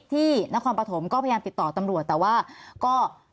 ที่นครปฐมก็พยายามติดต่อตำรวจแต่ว่าก็